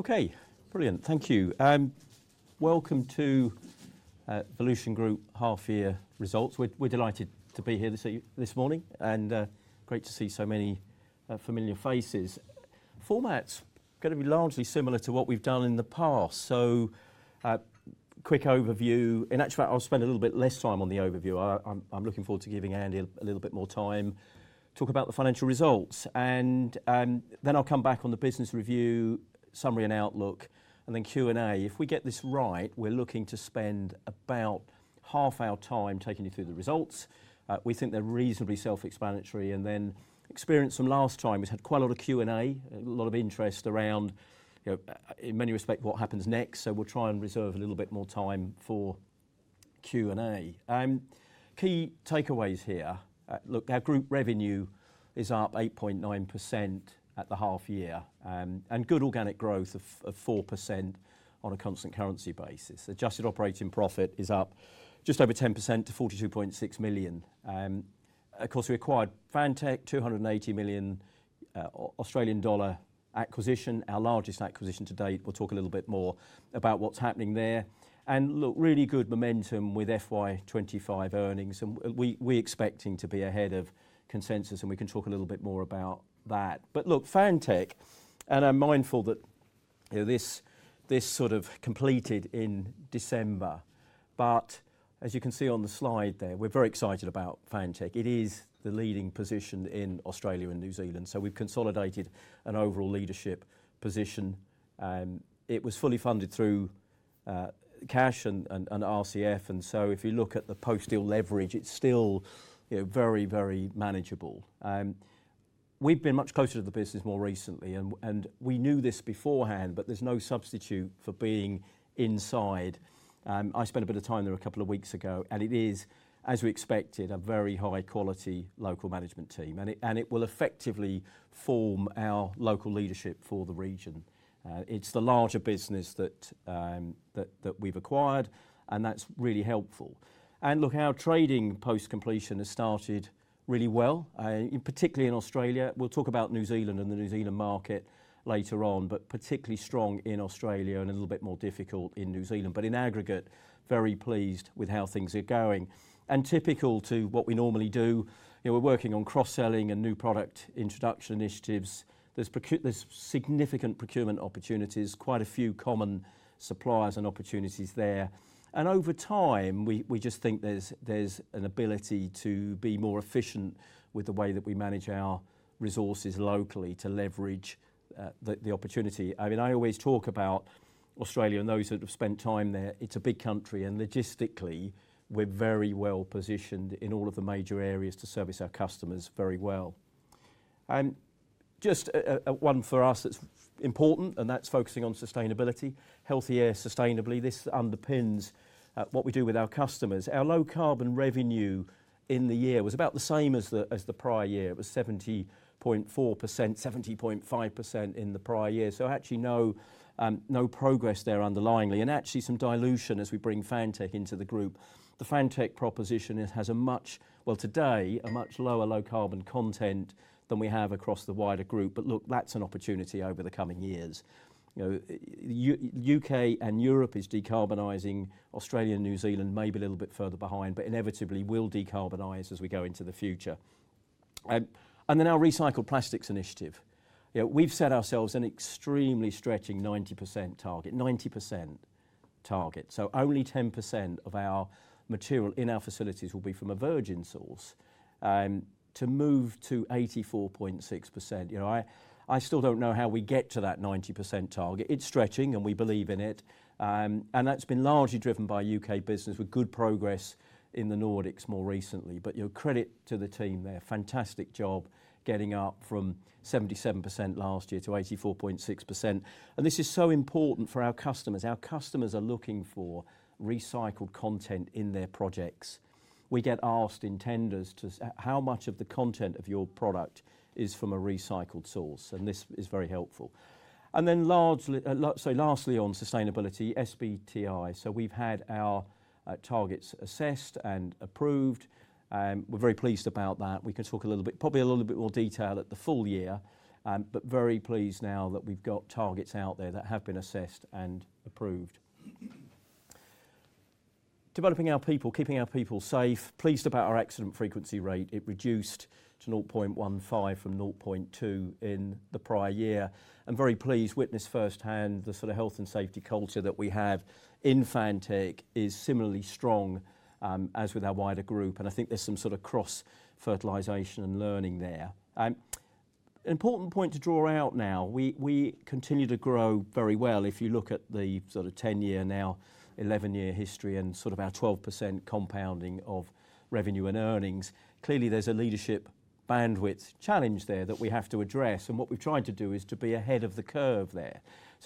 Okay, brilliant. Thank you. Welcome to the Volution Group Half-Year Results. We're delighted to be here this morning, and great to see so many familiar faces. Format's going to be largely similar to what we've done in the past. So, quick overview. In actual fact, I'll spend a little bit less time on the overview. I'm looking forward to giving Andy a little bit more time. Talk about the financial results, and then I'll come back on the business review summary and outlook, and then Q&A. If we get this right, we're looking to spend about half our time taking you through the results. We think they're reasonably self-explanatory. Experience from last time, we've had quite a lot of Q&A, a lot of interest around, in many respects, what happens next. We'll try and reserve a little bit more time for Q&A. Key takeaways here. Look, our group revenue is up 8.9% at the half-year, and good organic growth of 4% on a constant currency basis. Adjusted operating profit is up just over 10% to 42.6 million. Of course, we acquired Fantech, 280 million Australian dollar acquisition, our largest acquisition to date. We will talk a little bit more about what is happening there. Look, really good momentum with FY2025 earnings, and we are expecting to be ahead of consensus, and we can talk a little bit more about that. Fantech, and I am mindful that this sort of completed in December, but as you can see on the slide there, we are very excited about Fantech. It is the leading position in Australia and New Zealand, so we have consolidated an overall leadership position. It was fully funded through cash and RCF, and if you look at the post-deal leverage, it is still very, very manageable. We've been much closer to the business more recently, and we knew this beforehand, but there's no substitute for being inside. I spent a bit of time there a couple of weeks ago, and it is, as we expected, a very high-quality local management team, and it will effectively form our local leadership for the region. It's the larger business that we've acquired, and that's really helpful. Look, our trading post-completion has started really well, particularly in Australia. We'll talk about New Zealand and the New Zealand market later on, but particularly strong in Australia and a little bit more difficult in New Zealand. In aggregate, very pleased with how things are going. Typical to what we normally do, we're working on cross-selling and new product introduction initiatives. There's significant procurement opportunities, quite a few common suppliers and opportunities there. Over time, we just think there's an ability to be more efficient with the way that we manage our resources locally to leverage the opportunity. I mean, I always talk about Australia and those that have spent time there. It's a big country, and logistically, we're very well positioned in all of the major areas to service our customers very well. Just one for us that's important, and that's focusing on sustainability, Healthy Air, Sustainably. This underpins what we do with our customers. Our low carbon revenue in the year was about the same as the prior year. It was 70.4%, 70.5% in the prior year. So actually, no progress there underlyingly, and actually some dilution as we bring Fantech into the group. The Fantech proposition has a much, well, today, a much lower low carbon content than we have across the wider group. Look, that's an opportunity over the coming years. The U.K. and Europe is decarbonizing. Australia and New Zealand may be a little bit further behind, but inevitably will decarbonize as we go into the future. Our recycled plastics initiative, we've set ourselves an extremely stretching 90% target, 90% target. Only 10% of our material in our facilities will be from a virgin source to move to 84.6%. I still don't know how we get to that 90% target. It's stretching, and we believe in it. That's been largely driven by U.K. business with good progress in the Nordics more recently. Credit to the team there, fantastic job getting up from 77% last year to 84.6%. This is so important for our customers. Our customers are looking for recycled content in their projects. We get asked in tenders how much of the content of your product is from a recycled source, and this is very helpful. Lastly on sustainability, SBTi. We have had our targets assessed and approved. We are very pleased about that. We can talk a little bit, probably a little bit more detail at the full year, but very pleased now that we have got targets out there that have been assessed and approved. Developing our people, keeping our people safe. Pleased about our accident frequency rate. It reduced to 0.15 from 0.2 in the prior year. Very pleased to witness firsthand the sort of health and safety culture that we have in Fantech is similarly strong as with our wider group. I think there is some sort of cross-fertilization and learning there. An important point to draw out now, we continue to grow very well. If you look at the sort of 10-year, now 11-year, history and sort of our 12% compounding of revenue and earnings, clearly there's a leadership bandwidth challenge there that we have to address. What we've tried to do is to be ahead of the curve there.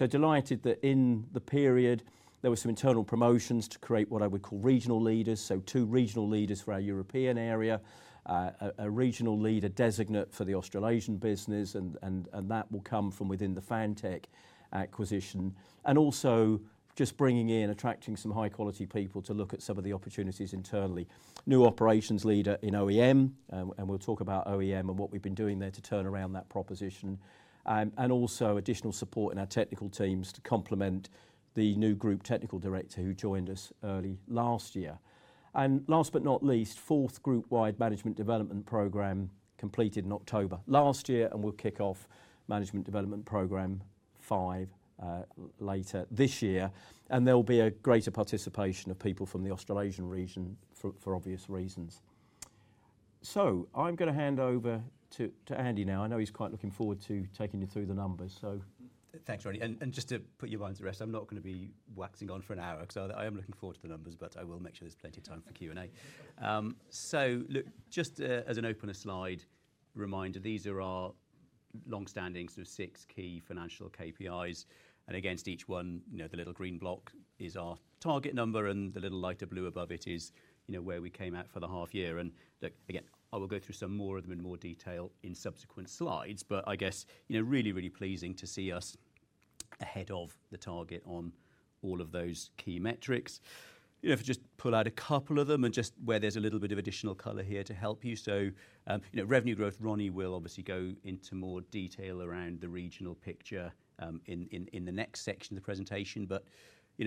Delighted that in the period, there were some internal promotions to create what I would call regional leaders. Two regional leaders for our European area, a regional leader designate for the Australasian business, and that will come from within the Fantech acquisition. Also just bringing in, attracting some high-quality people to look at some of the opportunities internally. New operations leader in OEM, and we'll talk about OEM and what we've been doing there to turn around that proposition. Also additional support in our technical teams to complement the new group technical director who joined us early last year. Last but not least, fourth group-wide management development program completed in October last year, and we will kick off management development program five later this year. There will be a greater participation of people from the Australasian region for obvious reasons. I am going to hand over to Andy now. I know he is quite looking forward to taking you through the numbers. Thanks, Ronnie. Just to put you onto the rest, I'm not going to be waxing on for an hour, so I am looking forward to the numbers, but I will make sure there's plenty of time for Q&A. Just as an open slide reminder, these are our long-standing sort of six key financial KPIs. Against each one, the little green block is our target number, and the little lighter blue above it is where we came out for the half-year. Again, I will go through some more of them in more detail in subsequent slides, but I guess really, really pleasing to see us ahead of the target on all of those key metrics. If I just pull out a couple of them and just where there's a little bit of additional color here to help you. Revenue growth, Ronnie will obviously go into more detail around the regional picture in the next section of the presentation.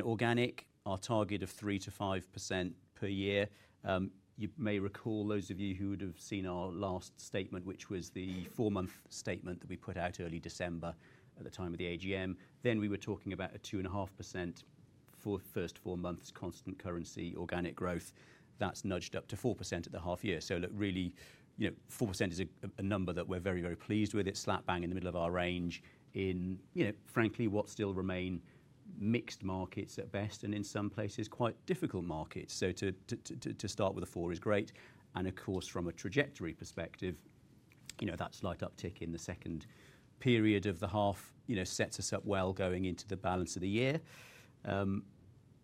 Organic, our target of 3-5% per year. You may recall those of you who would have seen our last statement, which was the four-month statement that we put out early December at the time of the AGM. We were talking about a 2.5% for first four months constant currency organic growth. That has nudged up to 4% at the half-year. Really, 4% is a number that we are very, very pleased with. It is slap-bang in the middle of our range in, frankly, what still remain mixed markets at best and in some places quite difficult markets. To start with a four is great. Of course, from a trajectory perspective, that slight uptick in the second period of the half sets us up well going into the balance of the year.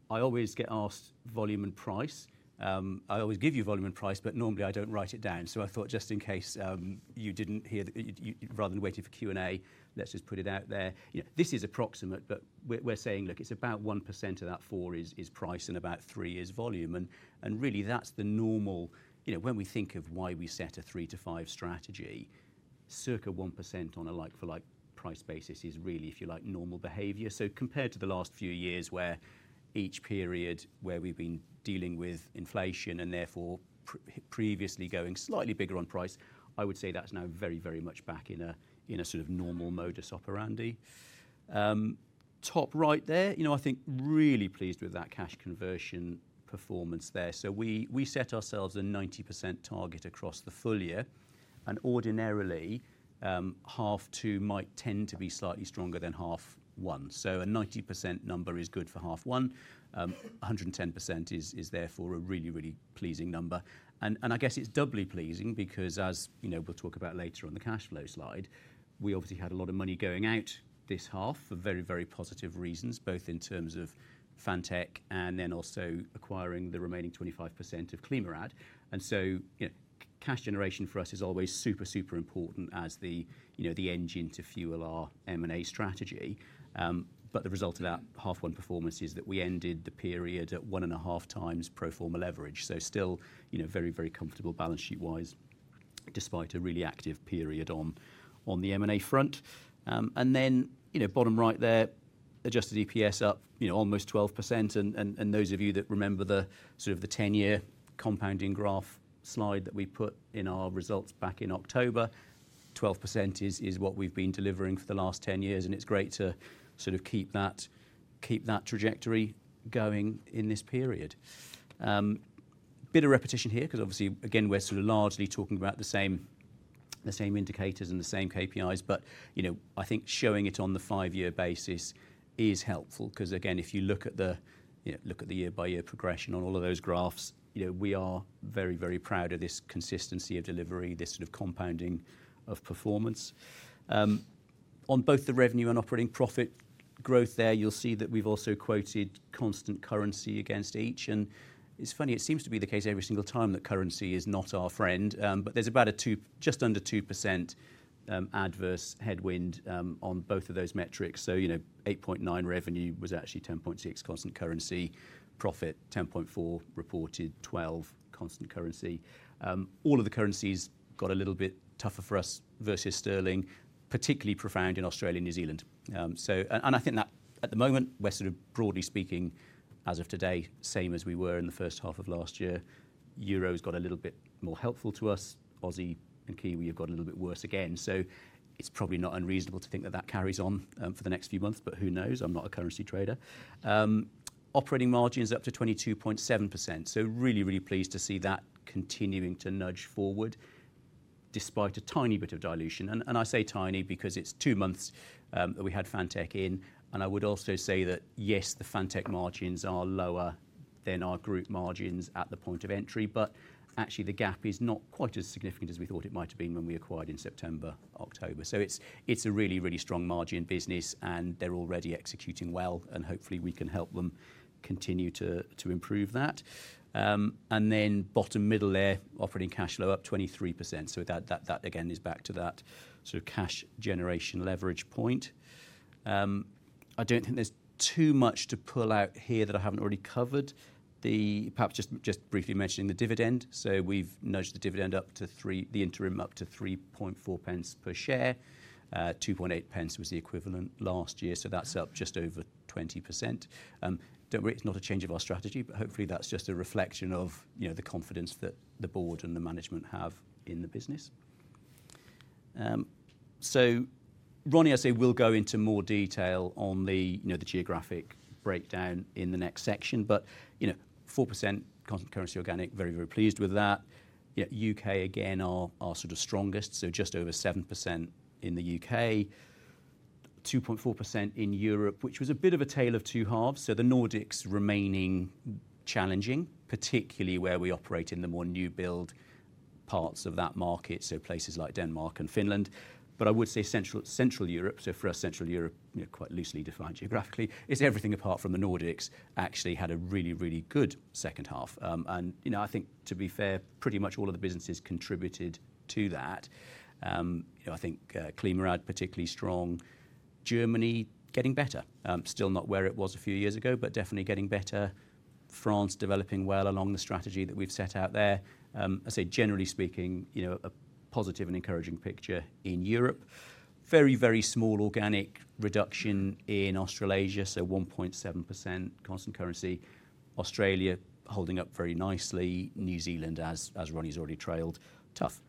I always get asked volume and price. I always give you volume and price, but normally I do not write it down. I thought just in case you did not hear, rather than waiting for Q&A, let's just put it out there. This is approximate, but we are saying, look, it is about 1% of that four is price and about three is volume. Really, that is the normal when we think of why we set a three to five strategy, circa 1% on a like-for-like price basis is really, if you like, normal behavior. Compared to the last few years where each period where we've been dealing with inflation and therefore previously going slightly bigger on price, I would say that's now very, very much back in a sort of normal modus operandi. Top right there, I think really pleased with that cash conversion performance there. We set ourselves a 90% target across the full year, and ordinarily, half two might tend to be slightly stronger than half one. A 90% number is good for half one. 110% is therefore a really, really pleasing number. I guess it's doubly pleasing because, as we'll talk about later on the cash flow slide, we obviously had a lot of money going out this half for very, very positive reasons, both in terms of Fantech and then also acquiring the remaining 25% of ClimaRad. Cash generation for us is always super, super important as the engine to fuel our M&A strategy. The result of that half one performance is that we ended the period at one and a half times pro forma leverage. Still very, very comfortable balance sheet-wise despite a really active period on the M&A front. Bottom right there, adjusted EPS up almost 12%. Those of you that remember the sort of the 10-year compounding graph slide that we put in our results back in October, 12% is what we have been delivering for the last 10 years, and it is great to sort of keep that trajectory going in this period. Bit of repetition here because obviously, again, we're sort of largely talking about the same indicators and the same KPIs, but I think showing it on the five-year basis is helpful because, again, if you look at the year-by-year progression on all of those graphs, we are very, very proud of this consistency of delivery, this sort of compounding of performance. On both the revenue and operating profit growth there, you'll see that we've also quoted constant currency against each. It's funny, it seems to be the case every single time that currency is not our friend, but there's about a just under 2% adverse headwind on both of those metrics. 8.9 revenue was actually 10.6 constant currency, profit 10.4 reported 12 constant currency. All of the currencies got a little bit tougher for us versus sterling, particularly profound in Australia and New Zealand. I think that at the moment, we're sort of broadly speaking, as of today, same as we were in the first half of last year. Euro has got a little bit more helpful to us. Aussie and Kiwi have got a little bit worse again. It is probably not unreasonable to think that that carries on for the next few months, but who knows? I'm not a currency trader. Operating margin is up to 22.7%. Really, really pleased to see that continuing to nudge forward despite a tiny bit of dilution. I say tiny because it is two months that we had Fantech in. I would also say that, yes, the Fantech margins are lower than our group margins at the point of entry, but actually the gap is not quite as significant as we thought it might have been when we acquired in September, October. It is a really, really strong margin business, and they are already executing well, and hopefully we can help them continue to improve that. Bottom middle there, operating cash flow up 23%. That, again, is back to that sort of cash generation leverage point. I do not think there is too much to pull out here that I have not already covered. Perhaps just briefly mentioning the dividend. We have nudged the dividend up to 0.034 per share. 0.028 was the equivalent last year. That is up just over 20%. Do not worry, it is not a change of our strategy, but hopefully that is just a reflection of the confidence that the board and the management have in the business. Ronnie, I say we'll go into more detail on the geographic breakdown in the next section, but 4% constant currency organic, very, very pleased with that. U.K. again, our sort of strongest, so just over 7% in the U.K. 2.4% in Europe, which was a bit of a tale of two halves. The Nordics remaining challenging, particularly where we operate in the more new build parts of that market, so places like Denmark and Finland. I would say central Europe, so for us, central Europe quite loosely defined geographically, is everything apart from the Nordics actually had a really, really good second half. I think, to be fair, pretty much all of the businesses contributed to that. I think ClimaRad particularly strong. Germany getting better, still not where it was a few years ago, but definitely getting better. France developing well along the strategy that we've set out there. I say generally speaking, a positive and encouraging picture in Europe. Very, very small organic reduction in Australasia, so 1.7% constant currency. Australia holding up very nicely. New Zealand, as Ronnie's already trailed, tough.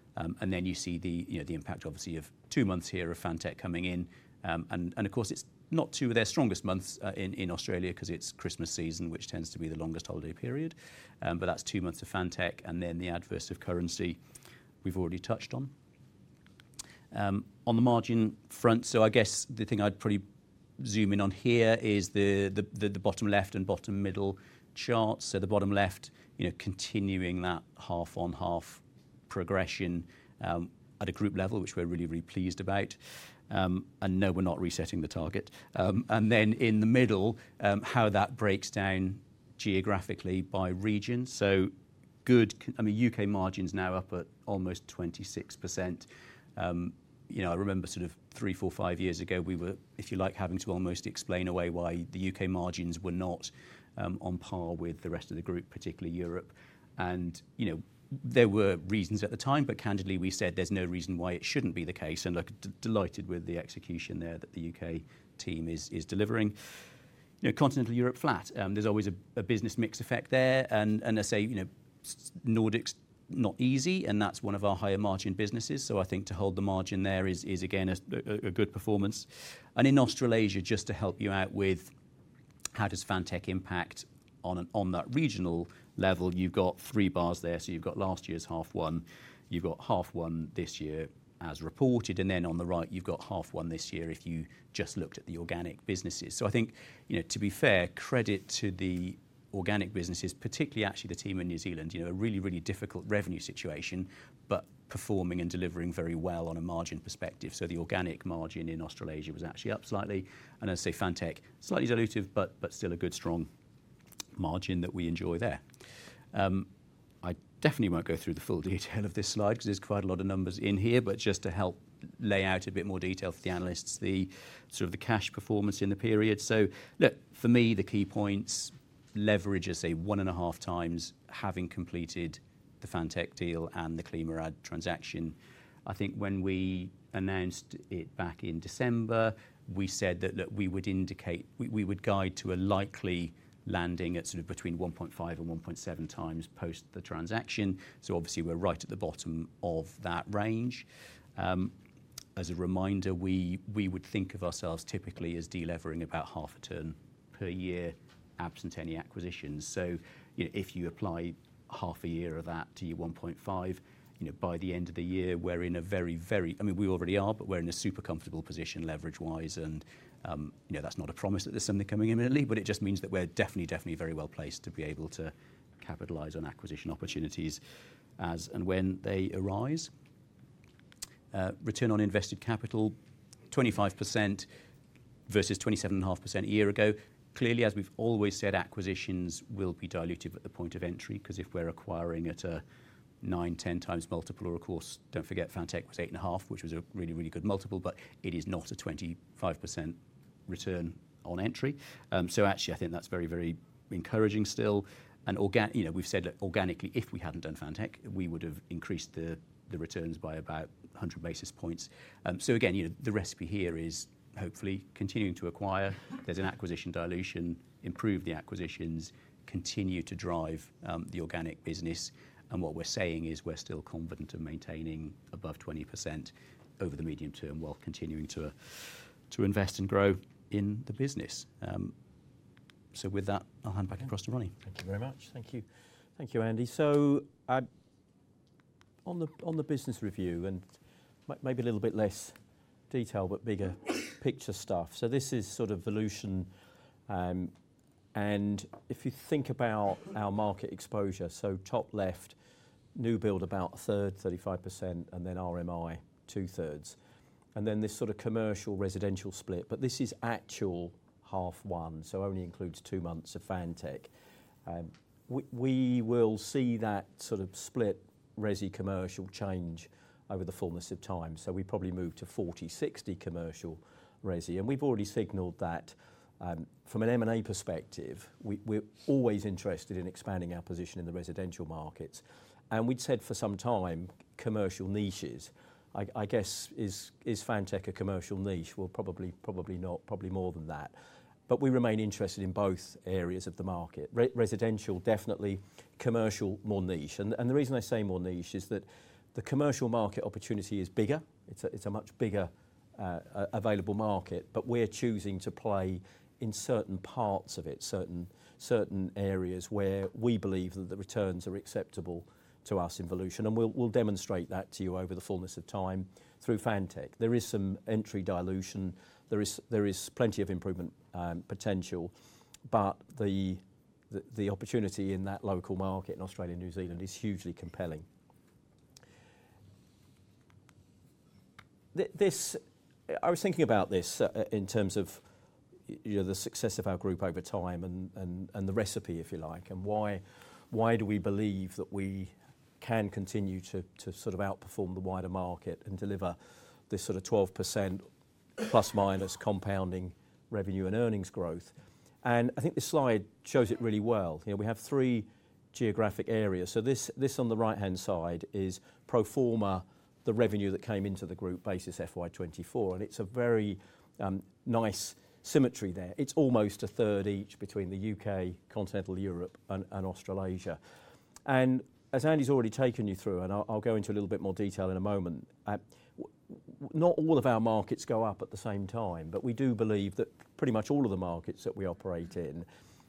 You see the impact obviously of two months here of Fantech coming in. Of course, it's not two of their strongest months in Australia because it's Christmas season, which tends to be the longest holiday period. That's two months of Fantech and then the adverse of currency we've already touched on. On the margin front, I guess the thing I'd probably zoom in on here is the bottom left and bottom middle charts. The bottom left, continuing that half on half progression at a group level, which we're really, really pleased about. No, we're not resetting the target. Then in the middle, how that breaks down geographically by region. Good, I mean, U.K. margins now up at almost 26%. I remember sort of three, four, five years ago we were, if you like, having to almost explain away why the U.K. margins were not on par with the rest of the group, particularly Europe. There were reasons at the time, but candidly, we said there's no reason why it shouldn't be the case. Look, delighted with the execution there that the U.K. team is delivering. Continental Europe flat. There's always a business mix effect there. I say Nordics, not easy, and that's one of our higher margin businesses. I think to hold the margin there is, again, a good performance. In Australasia, just to help you out with how does Fantech impact on that regional level, you've got three bars there. You have last year's half one, you have half one this year as reported, and then on the right, you have half one this year if you just looked at the organic businesses. I think, to be fair, credit to the organic businesses, particularly actually the team in New Zealand, a really, really difficult revenue situation, but performing and delivering very well on a margin perspective. The organic margin in Australasia was actually up slightly. I would say Fantech, slightly dilutive, but still a good strong margin that we enjoy there. I definitely will not go through the full detail of this slide because there are quite a lot of numbers in here, but just to help lay out a bit more detail for the analysts, the sort of the cash performance in the period. Look, for me, the key points, leverage is one and a half times having completed the Fantech deal and the ClimaRad transaction. I think when we announced it back in December, we said that we would indicate, we would guide to a likely landing at sort of between 1.5 and 1.7 times post the transaction. Obviously, we're right at the bottom of that range. As a reminder, we would think of ourselves typically as delevering about half a turn per year absent any acquisitions. If you apply half a year of that to your 1.5, by the end of the year, we're in a very, very, I mean, we already are, but we're in a super comfortable position leverage-wise. That is not a promise that there is something coming imminently, but it just means that we are definitely, definitely very well placed to be able to capitalize on acquisition opportunities as and when they arise. Return on invested capital, 25% versus 27.5% a year ago. Clearly, as we have always said, acquisitions will be dilutive at the point of entry because if we are acquiring at a 9-10 times multiple, or of course, do not forget Fantech was 8.5%, which was a really, really good multiple, but it is not a 25% return on entry. Actually, I think that is very, very encouraging still. We have said that organically, if we had not done Fantech, we would have increased the returns by about 100 basis points. Again, the recipe here is hopefully continuing to acquire. There is an acquisition dilution, improve the acquisitions, continue to drive the organic business. What we're saying is we're still confident of maintaining above 20% over the medium term while continuing to invest and grow in the business. With that, I'll hand back across to Ronnie. Thank you very much. Thank you. Thank you, Andy. On the business review and maybe a little bit less detail, but bigger picture stuff. This is sort of Volution. If you think about our market exposure, top left, new build about a third, 35%, and then RMI two thirds. This sort of commercial residential split, but this is actual half one, so only includes two months of Fantech. We will see that sort of split resi commercial change over the fullness of time. We probably move to 40-60 commercial resi. We have already signaled that from an M&A perspective, we are always interested in expanding our position in the residential markets. We had said for some time, commercial niches, I guess, is Fantech a commercial niche? Well, probably not, probably more than that. We remain interested in both areas of the market. Residential definitely, commercial more niche. The reason I say more niche is that the commercial market opportunity is bigger. It is a much bigger available market, but we are choosing to play in certain parts of it, certain areas where we believe that the returns are acceptable to us in Volution. We will demonstrate that to you over the fullness of time through Fantech. There is some entry dilution. There is plenty of improvement potential, but the opportunity in that local market in Australia and New Zealand is hugely compelling. I was thinking about this in terms of the success of our group over time and the recipe, if you like, and why do we believe that we can continue to sort of outperform the wider market and deliver this sort of 12% plus minus compounding revenue and earnings growth. I think this slide shows it really well. We have three geographic areas. This on the right-hand side is pro forma, the revenue that came into the group basis FY2024. It is a very nice symmetry there. It is almost a third each between the U.K., continental Europe, and Australasia. As Andy's already taken you through, and I'll go into a little bit more detail in a moment, not all of our markets go up at the same time, but we do believe that pretty much all of the markets that we operate in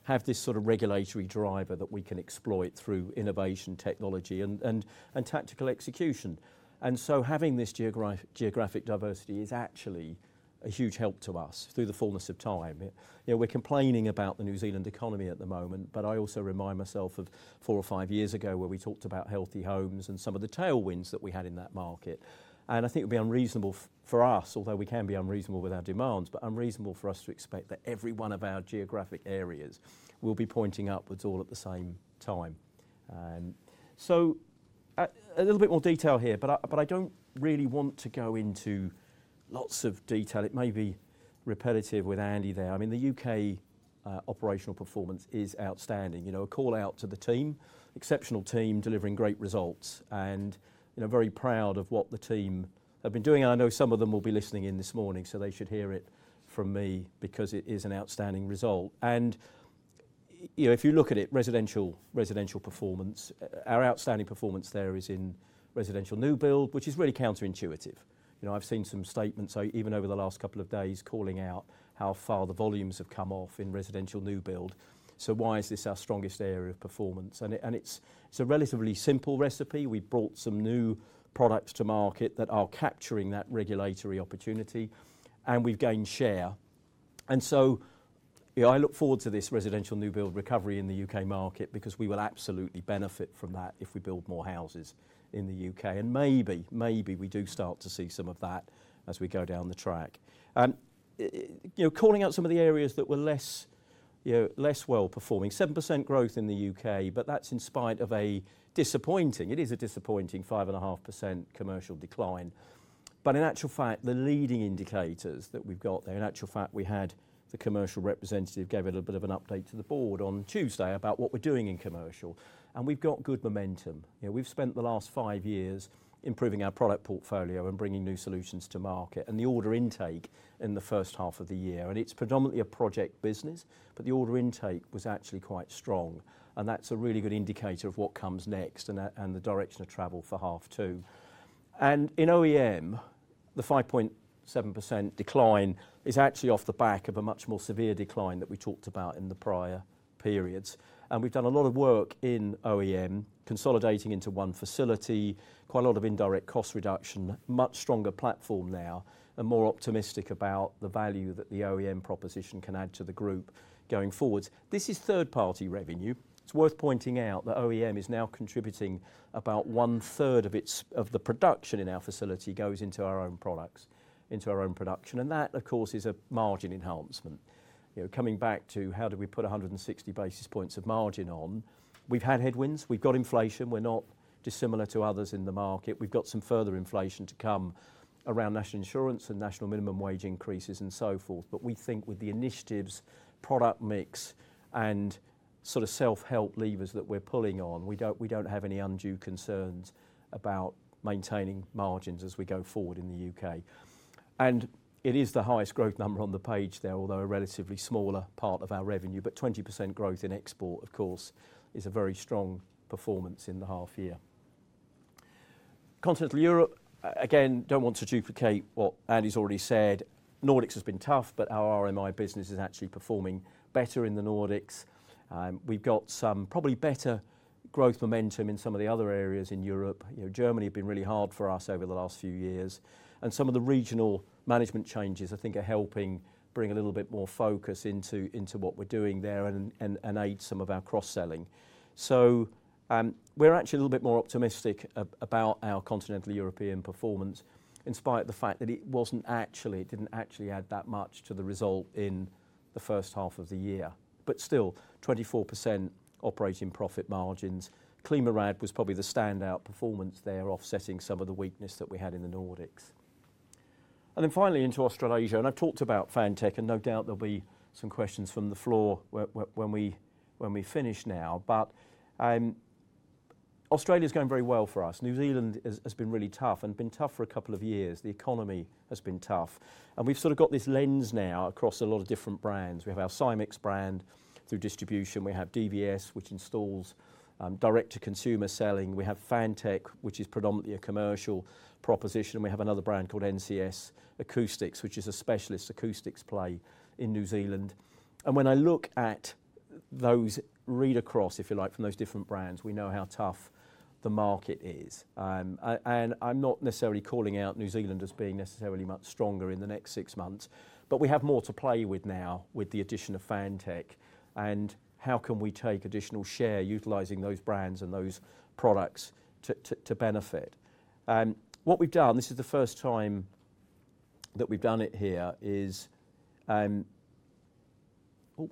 have this sort of regulatory driver that we can exploit through innovation, technology, and tactical execution. Having this geographic diversity is actually a huge help to us through the fullness of time. We're complaining about the New Zealand economy at the moment, but I also remind myself of four or five years ago where we talked about healthy homes and some of the tailwinds that we had in that market. I think it would be unreasonable for us, although we can be unreasonable with our demands, but unreasonable for us to expect that every one of our geographic areas will be pointing upwards all at the same time. A little bit more detail here, but I do not really want to go into lots of detail. It may be repetitive with Andy there. I mean, the U.K. operational performance is outstanding. A call out to the team, exceptional team delivering great results. Very proud of what the team have been doing. I know some of them will be listening in this morning, so they should hear it from me because it is an outstanding result. If you look at it, residential performance, our outstanding performance there is in residential new build, which is really counterintuitive. I've seen some statements, even over the last couple of days, calling out how far the volumes have come off in residential new build. Why is this our strongest area of performance? It's a relatively simple recipe. We've brought some new products to market that are capturing that regulatory opportunity, and we've gained share. I look forward to this residential new build recovery in the U.K. market because we will absolutely benefit from that if we build more houses in the U.K. Maybe, maybe we do start to see some of that as we go down the track. Calling out some of the areas that were less well performing, 7% growth in the U.K., but that's in spite of a disappointing, it is a disappointing 5.5% commercial decline. In actual fact, the leading indicators that we've got there, in actual fact, we had the commercial representative gave a little bit of an update to the board on Tuesday about what we're doing in commercial. We've got good momentum. We've spent the last five years improving our product portfolio and bringing new solutions to market and the order intake in the first half of the year. It's predominantly a project business, but the order intake was actually quite strong. That's a really good indicator of what comes next and the direction of travel for half two. In OEM, the 5.7% decline is actually off the back of a much more severe decline that we talked about in the prior periods. We have done a lot of work in OEM, consolidating into one facility, quite a lot of indirect cost reduction, much stronger platform now, and more optimistic about the value that the OEM proposition can add to the group going forwards. This is third-party revenue. It is worth pointing out that OEM is now contributing about one third of the production in our facility goes into our own products, into our own production. That, of course, is a margin enhancement. Coming back to how do we put 160 basis points of margin on, we have had headwinds, we have got inflation, we are not dissimilar to others in the market, we have got some further inflation to come around National Insurance and National Minimum Wage increases and so forth. We think with the initiatives, product mix, and sort of self-help levers that we're pulling on, we don't have any undue concerns about maintaining margins as we go forward in the U.K. It is the highest growth number on the page there, although a relatively smaller part of our revenue, but 20% growth in export, of course, is a very strong performance in the half year. Continental Europe, again, I don't want to duplicate what Andy's already said. Nordics has been tough, but our RMI business is actually performing better in the Nordics. We've got some probably better growth momentum in some of the other areas in Europe. Germany has been really hard for us over the last few years. Some of the regional management changes, I think, are helping bring a little bit more focus into what we're doing there and aid some of our cross-selling. We're actually a little bit more optimistic about our continental European performance in spite of the fact that it wasn't actually, it didn't actually add that much to the result in the first half of the year. Still, 24% operating profit margins, ClimaRad was probably the standout performance there, offsetting some of the weakness that we had in the Nordics. Finally, into Australasia, and I've talked about Fantech, and no doubt there'll be some questions from the floor when we finish now. Australia's going very well for us. New Zealand has been really tough and been tough for a couple of years. The economy has been tough. We've sort of got this lens now across a lot of different brands. We have our Simx brand through distribution. We have DVS, which installs direct-to-consumer selling. We have Fantech, which is predominantly a commercial proposition. We have another brand called NCS Acoustics, which is a specialist acoustics play in New Zealand. When I look at those read across, if you like, from those different brands, we know how tough the market is. I'm not necessarily calling out New Zealand as being necessarily much stronger in the next six months, but we have more to play with now with the addition of Fantech. How can we take additional share utilizing those brands and those products to benefit? What we've done, this is the first time that we've done it here, is, oh,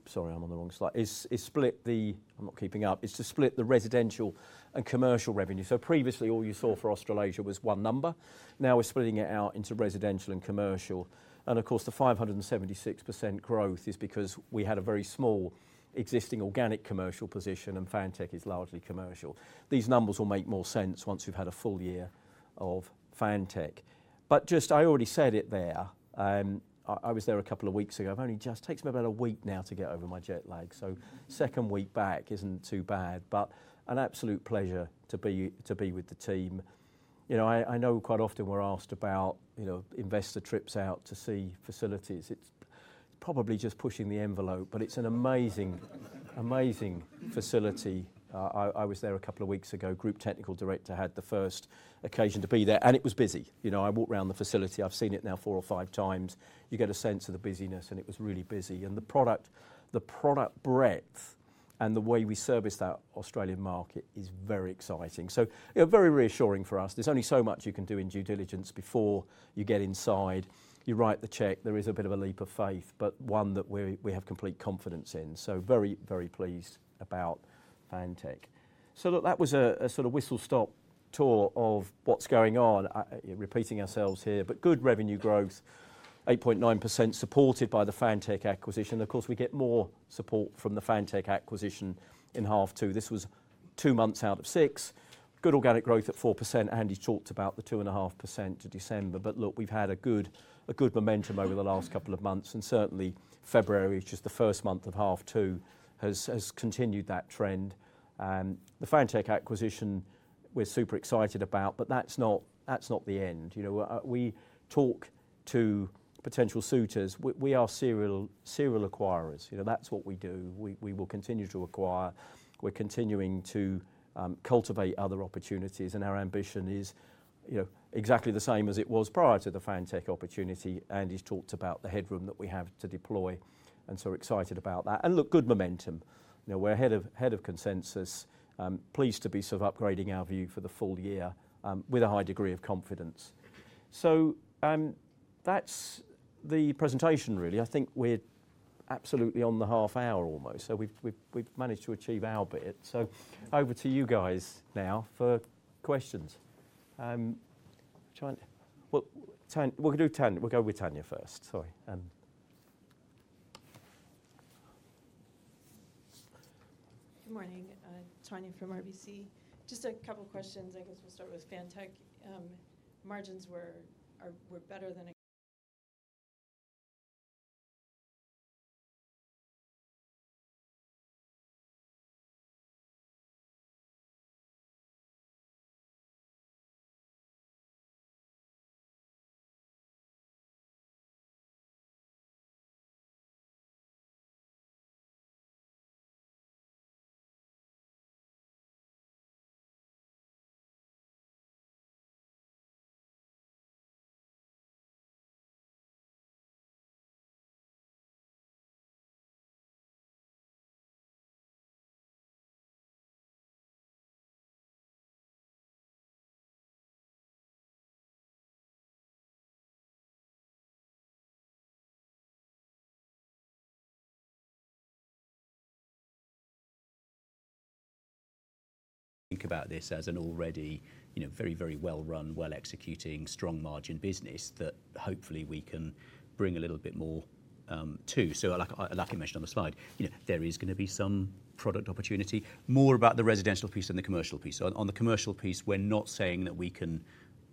sorry, I'm on the wrong slide, is split the, I'm not keeping up, is to split the residential and commercial revenue. Previously, all you saw for Australasia was one number. Now we're splitting it out into residential and commercial. Of course, the 576% growth is because we had a very small existing organic commercial position and Fantech is largely commercial. These numbers will make more sense once we've had a full year of Fantech. I already said it there. I was there a couple of weeks ago. It only just takes me about a week now to get over my jet lag. Second week back isn't too bad, but an absolute pleasure to be with the team. I know quite often we're asked about investor trips out to see facilities. It's probably just pushing the envelope, but it's an amazing, amazing facility. I was there a couple of weeks ago. Group Technical Director had the first occasion to be there, and it was busy. I walked around the facility. I've seen it now four or five times. You get a sense of the busyness, and it was really busy. The product breadth and the way we service that Australian market is very exciting. Very reassuring for us. There is only so much you can do in due diligence before you get inside. You write the check. There is a bit of a leap of faith, but one that we have complete confidence in. Very, very pleased about Fantech. That was a sort of whistle-stop tour of what is going on, repeating ourselves here, but good revenue growth, 8.9% supported by the Fantech acquisition. Of course, we get more support from the Fantech acquisition in half two. This was two months out of six. Good organic growth at 4%. Andy's talked about the 2.5% to December. We have had good momentum over the last couple of months. Certainly, February, which is the first month of half two, has continued that trend. The Fantech acquisition we are super excited about, but that is not the end. We talk to potential suitors. We are serial acquirers. That is what we do. We will continue to acquire. We are continuing to cultivate other opportunities. Our ambition is exactly the same as it was prior to the Fantech opportunity. Andy has talked about the headroom that we have to deploy and so excited about that. Good momentum. We are ahead of consensus, pleased to be sort of upgrading our view for the full year with a high degree of confidence. That is the presentation, really. I think we are absolutely on the half hour almost. We have managed to achieve our bit. Over to you guys now for questions. We will go with Tania first. Sorry. Good morning. Tania from RBC. Just a couple of questions. I guess we'll start with Fantech. Margins were better than expected. Think about this as an already very, very well-run, well-executing, strong margin business that hopefully we can bring a little bit more to. Like I mentioned on the slide, there is going to be some product opportunity. More about the residential piece and the commercial piece. On the commercial piece, we're not saying that we can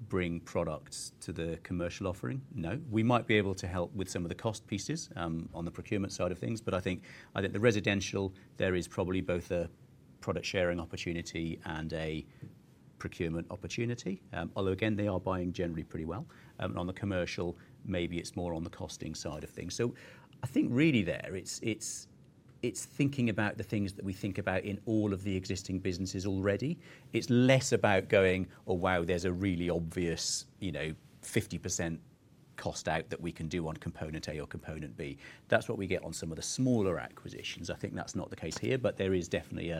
bring products to the commercial offering. No. We might be able to help with some of the cost pieces on the procurement side of things. I think the residential, there is probably both a product sharing opportunity and a procurement opportunity. Although again, they are buying generally pretty well. On the commercial, maybe it's more on the costing side of things. I think really there, it's thinking about the things that we think about in all of the existing businesses already. It's less about going, "Oh, wow, there's a really obvious 50% cost out that we can do on component A or component B." That's what we get on some of the smaller acquisitions. I think that's not the case here, but there is definitely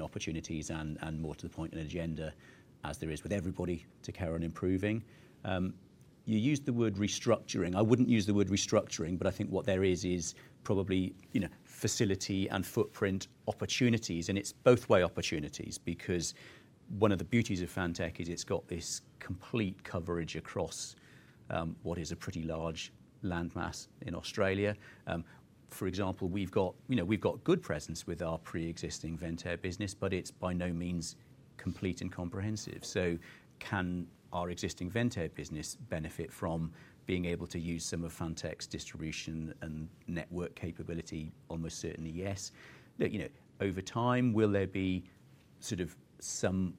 opportunities and more to the point in an agenda as there is with everybody to carry on improving. You used the word restructuring. I wouldn't use the word restructuring, but I think what there is is probably facility and footprint opportunities. It's both way opportunities because one of the beauties of Fantech is it's got this complete coverage across what is a pretty large landmass in Australia. For example, we've got good presence with our pre-existing Ventair business, but it's by no means complete and comprehensive. Can our existing Ventair business benefit from being able to use some of Fantech's distribution and network capability? Almost certainly, yes. Over time, will there be sort of some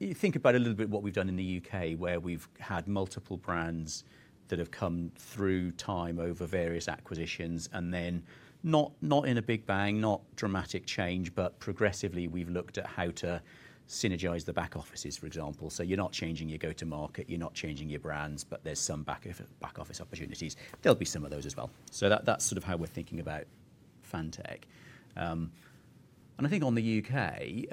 think about a little bit what we've done in the U.K. where we've had multiple brands that have come through time over various acquisitions and then not in a big bang, not dramatic change, but progressively we've looked at how to synergize the back offices, for example. You're not changing your go-to-market, you're not changing your brands, but there's some back office opportunities. There will be some of those as well. That is sort of how we're thinking about Fantech. I think on the U.K.,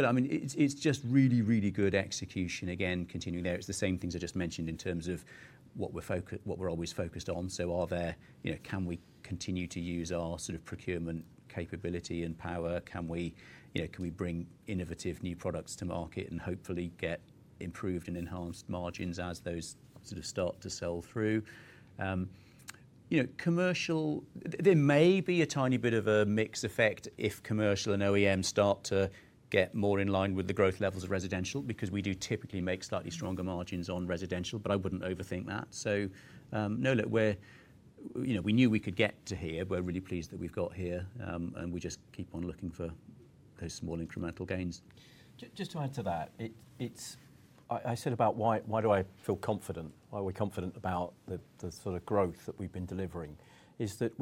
no, I mean, it's just really, really good execution. Again, continuing there, it's the same things I just mentioned in terms of what we're always focused on. Can we continue to use our sort of procurement capability and power? Can we bring innovative new products to market and hopefully get improved and enhanced margins as those sort of start to sell through? Commercial, there may be a tiny bit of a mixed effect if commercial and OEM start to get more in line with the growth levels of residential because we do typically make slightly stronger margins on residential, but I wouldn't overthink that. No, look, we knew we could get to here. We're really pleased that we've got here, and we just keep on looking for those small incremental gains. Just to add to that, I said about why do I feel confident, why are we confident about the sort of growth that we've been delivering, is that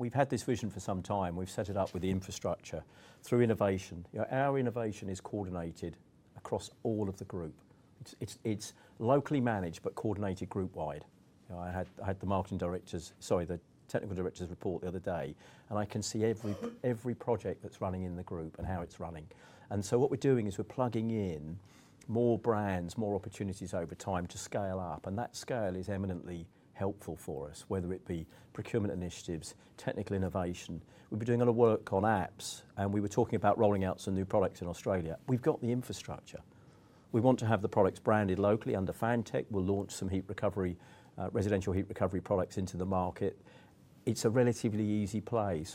we've had this vision for some time. We've set it up with the infrastructure through innovation. Our innovation is coordinated across all of the group. It's locally managed, but coordinated group wide. I had the technical directors report the other day, and I can see every project that's running in the group and how it's running. What we're doing is we're plugging in more brands, more opportunities over time to scale up. That scale is eminently helpful for us, whether it be procurement initiatives, technical innovation. We've been doing a lot of work on apps, and we were talking about rolling out some new products in Australia. We've got the infrastructure. We want to have the products branded locally under Fantech. We'll launch some residential heat recovery products into the market. It's a relatively easy play.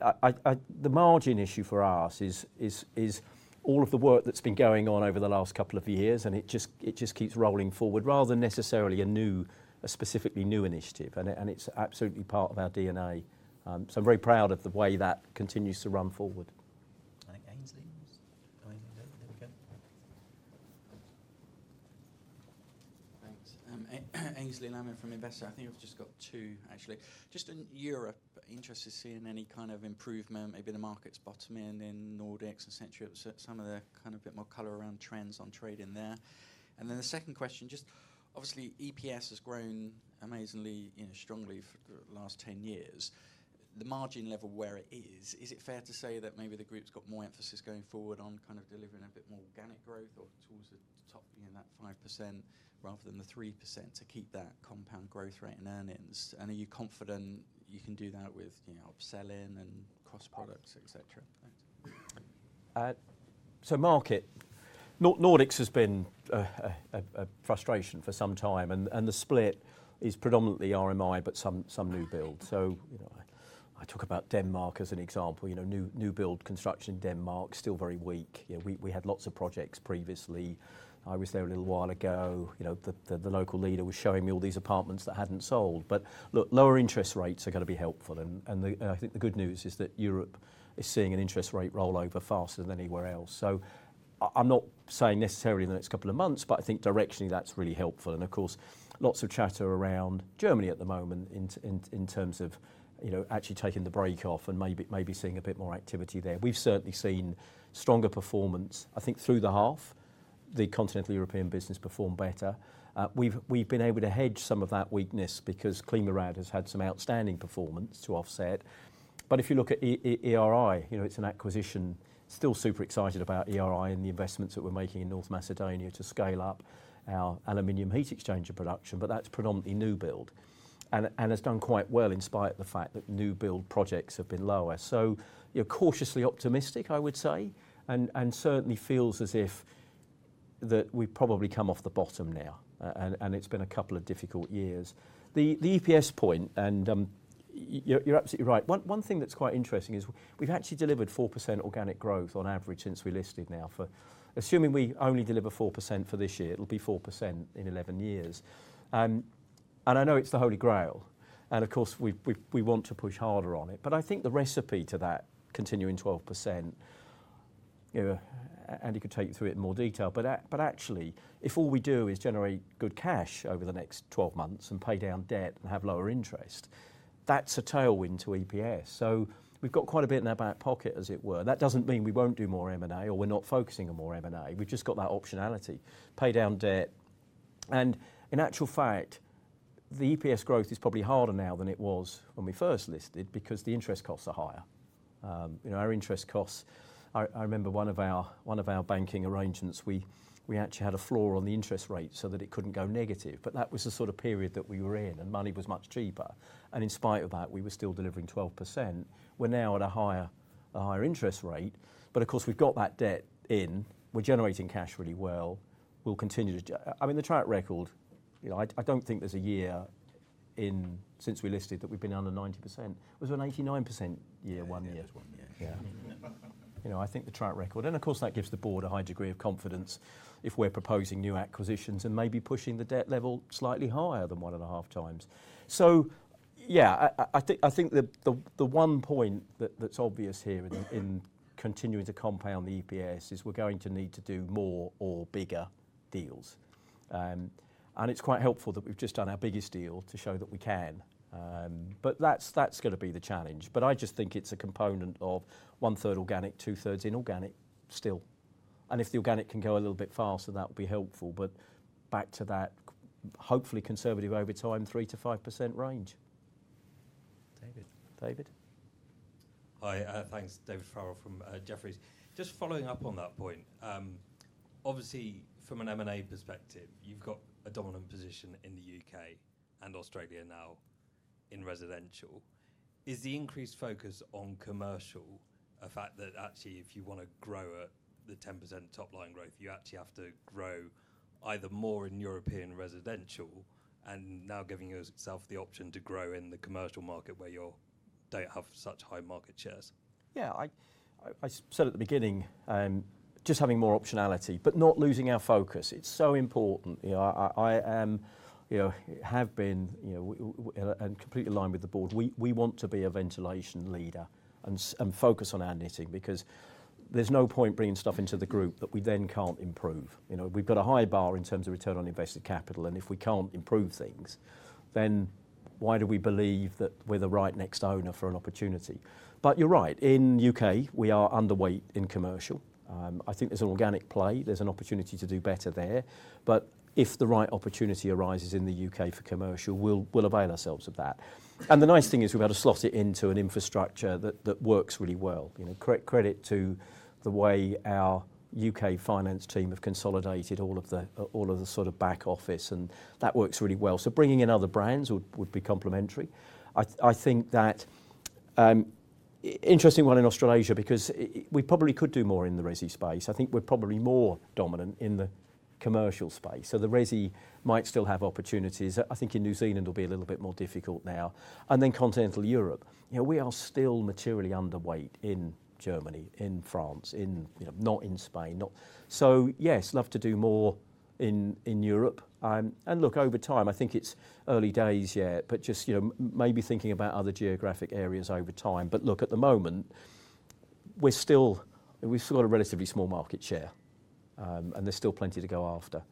The margin issue for us is all of the work that's been going on over the last couple of years, and it just keeps rolling forward rather than necessarily a specifically new initiative. It's absolutely part of our DNA. I'm very proud of the way that continues to run forward. Aynsley, there we go. Thanks. Aynsley Lammin from Investec. I think I've just got two, actually. In Europe, interested to see any kind of improvement, maybe the market's bottoming in Nordics, etc. Some of the kind of a bit more color around trends on trading there. The second question, just obviously EPS has grown amazingly, strongly for the last 10 years. The margin level where it is, is it fair to say that maybe the group's got more emphasis going forward on kind of delivering a bit more organic growth or towards the top, that 5% rather than the 3% to keep that compound growth rate in earnings? Are you confident you can do that with upselling and cross products, etc.? Market, Nordics has been a frustration for some time, and the split is predominantly RMI, but some new build. I talk about Denmark as an example. New build construction in Denmark is still very weak. We had lots of projects previously. I was there a little while ago. The local leader was showing me all these apartments that had not sold. Look, lower interest rates are going to be helpful. I think the good news is that Europe is seeing an interest rate rollover faster than anywhere else. I'm not saying necessarily in the next couple of months, but I think directionally that's really helpful. Of course, lots of chatter around Germany at the moment in terms of actually taking the break off and maybe seeing a bit more activity there. We've certainly seen stronger performance. I think through the half, the continental European business performed better. We've been able to hedge some of that weakness because ClimaRad has had some outstanding performance to offset. If you look at ERI, it's an acquisition. Still super excited about ERI and the investments that we're making in North Macedonia to scale up our aluminum heat exchanger production, but that's predominantly new build and has done quite well in spite of the fact that new build projects have been lower. Cautiously optimistic, I would say, and certainly feels as if that we've probably come off the bottom now, and it's been a couple of difficult years. The EPS point, and you're absolutely right. One thing that's quite interesting is we've actually delivered 4% organic growth on average since we listed now. Assuming we only deliver 4% for this year, it'll be 4% in 11 years. I know it's the Holy Grail. Of course, we want to push harder on it. I think the recipe to that continuing 12%, Andy could take you through it in more detail. If all we do is generate good cash over the next 12 months and pay down debt and have lower interest, that's a tailwind to EPS. We've got quite a bit in our back pocket, as it were. That does not mean we will not do more M&A or we are not focusing on more M&A. We've just got that optionality: pay down debt. In actual fact, the EPS growth is probably harder now than it was when we first listed because the interest costs are higher. Our interest costs, I remember one of our banking arrangements, we actually had a floor on the interest rate so that it could not go negative. That was the sort of period that we were in, and money was much cheaper. In spite of that, we were still delivering 12%. We are now at a higher interest rate. Of course, we've got that debt in. We're generating cash really well. We'll continue to, I mean, the track record, I don't think there's a year since we listed that we've been under 90%. It was an 89% year one year. I think the track record, and of course, that gives the board a high degree of confidence if we're proposing new acquisitions and maybe pushing the debt level slightly higher than one and a half times. I think the one point that's obvious here in continuing to compound the EPS is we're going to need to do more or bigger deals. It's quite helpful that we've just done our biggest deal to show that we can. That's going to be the challenge. I just think it's a component of one-third organic, two-thirds inorganic still. If the organic can go a little bit faster, that would be helpful. Back to that, hopefully conservative over time, 3-5% range. David. David. Hi. Thanks, David Farrell from Jefferies. Just following up on that point, obviously from an M&A perspective, you've got a dominant position in the U.K. and Australia now in residential. Is the increased focus on commercial a fact that actually if you want to grow at the 10% top line growth, you actually have to grow either more in European residential and now giving yourself the option to grow in the commercial market where you don't have such high market shares? Yeah. I said at the beginning, just having more optionality, but not losing our focus. It's so important. I have been and completely aligned with the board. We want to be a ventilation leader and focus on our knitting because there's no point bringing stuff into the group that we then can't improve. We've got a high bar in terms of return on invested capital. If we can't improve things, then why do we believe that we're the right next owner for an opportunity? You're right. In the U.K., we are underweight in commercial. I think there's an organic play. There's an opportunity to do better there. If the right opportunity arises in the U.K. for commercial, we'll avail ourselves of that. The nice thing is we've had to slot it into an infrastructure that works really well. Credit to the way our U.K. finance team have consolidated all of the sort of back office, and that works really well. Bringing in other brands would be complementary. I think that interesting one in Australasia because we probably could do more in the resi space. I think we're probably more dominant in the commercial space. The resi might still have opportunities. I think in New Zealand will be a little bit more difficult now. Continental Europe, we are still materially underweight in Germany, in France, not in Spain. Yes, love to do more in Europe. Look, over time, I think it's early days yet, but just maybe thinking about other geographic areas over time. At the moment, we've still got a relatively small market share, and there's still plenty to go after.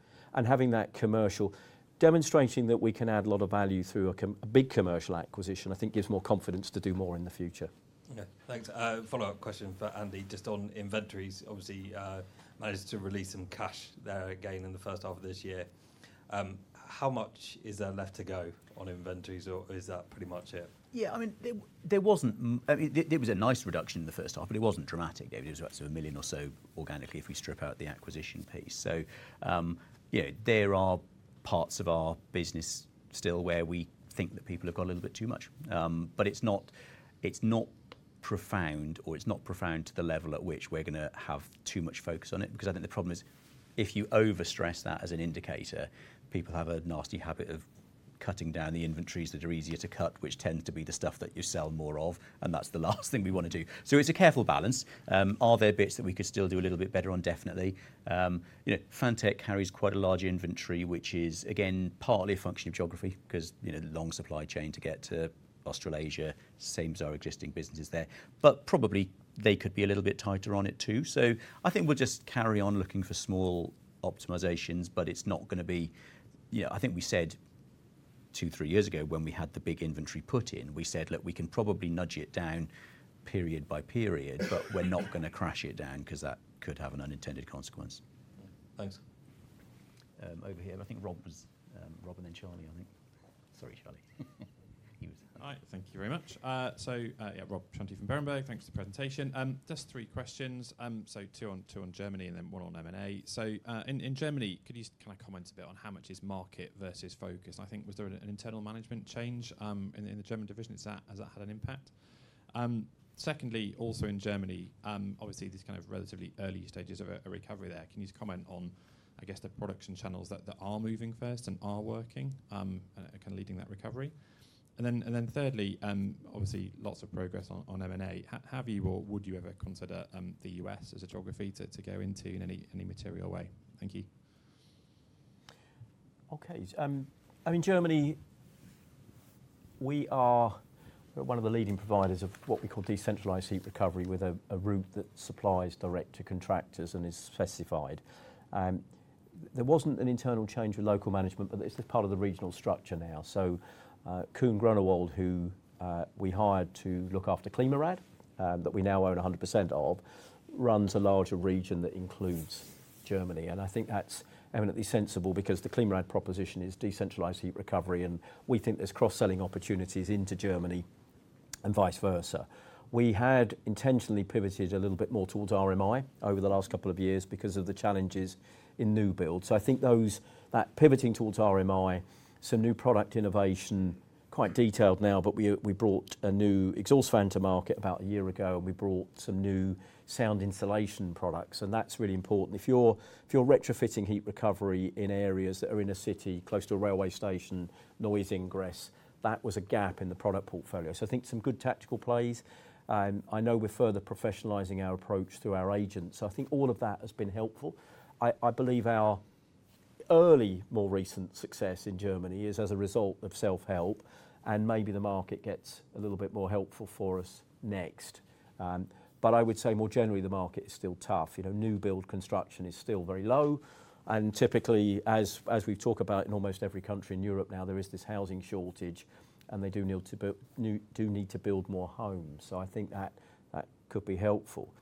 Having that commercial, demonstrating that we can add a lot of value through a big commercial acquisition, I think gives more confidence to do more in the future. Thanks. Follow-up question for Andy, just on inventories. Obviously, managed to release some cash there again in the first half of this year. How much is there left to go on inventories, or is that pretty much it? Yeah. I mean, there was not. There was a nice reduction in the first half, but it was not dramatic. It was up to 1 million or so organically if we strip out the acquisition piece. So there are parts of our business still where we think that people have got a little bit too much. But it is not profound, or it is not profound to the level at which we are going to have too much focus on it. Because I think the problem is if you overstress that as an indicator, people have a nasty habit of cutting down the inventories that are easier to cut, which tends to be the stuff that you sell more of, and that's the last thing we want to do. It is a careful balance. Are there bits that we could still do a little bit better on? Definitely. Fantech carries quite a large inventory, which is, again, partly a function of geography because long supply chain to get to Australasia, same as our existing businesses there. Probably they could be a little bit tighter on it too. I think we'll just carry on looking for small optimizations, but it's not going to be, I think we said two, three years ago when we had the big inventory put in, we said, "Look, we can probably nudge it down period by period, but we're not going to crash it down because that could have an unintended consequence." Thanks. Over here. I think Rob was Rob and Charlie, I think. Sorry, Charlie. He was. All right. Thank you very much. Yeah, Rob Chant from Berenberg. Thanks for the presentation. Just three questions. Two on Germany and then one on M&A. In Germany, can I comment a bit on how much is market versus focus? I think was there an internal management change in the German division? Has that had an impact? Secondly, also in Germany, obviously these kind of relatively early stages of a recovery there. Can you comment on, I guess, the products and channels that are moving first and are working and kind of leading that recovery? Thirdly, obviously lots of progress on M&A. Have you or would you ever consider the U.S. as a geography to go into in any material way? Thank you. Okay. I mean, Germany, we are one of the leading providers of what we call decentralized heat recovery with a route that supplies direct to contractors and is specified. There was an internal change with local management, but this is part of the regional structure now. Koen Groenewold, who we hired to look after ClimaRad, that we now own 100% of, runs a larger region that includes Germany. I think that's eminently sensible because the ClimaRad proposition is decentralized heat recovery, and we think there's cross-selling opportunities into Germany and vice versa. We had intentionally pivoted a little bit more towards RMI over the last couple of years because of the challenges in new builds. I think that pivoting towards RMI, some new product innovation, quite detailed now, but we brought a new exhaust fan to market about a year ago, and we brought some new sound insulation products. That's really important. If you're retrofitting heat recovery in areas that are in a city close to a railway station, noise ingress, that was a gap in the product portfolio. I think some good tactical plays. I know we're further professionalizing our approach through our agents. I think all of that has been helpful. I believe our early, more recent success in Germany is as a result of self-help, and maybe the market gets a little bit more helpful for us next. I would say more generally, the market is still tough. New build construction is still very low. Typically, as we talk about in almost every country in Europe now, there is this housing shortage, and they do need to build more homes. I think that could be helpful.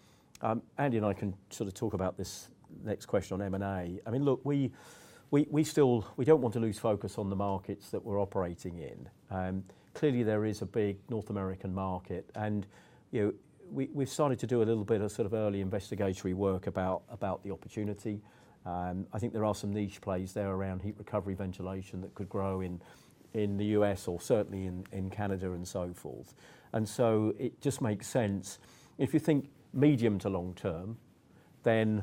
Andy and I can sort of talk about this next question on M&A. I mean, look, we do not want to lose focus on the markets that we are operating in. Clearly, there is a big North American market. We have started to do a little bit of sort of early investigatory work about the opportunity. I think there are some niche plays there around heat recovery ventilation that could grow in the U.S. or certainly in Canada and so forth. It just makes sense. If you think medium to long term, then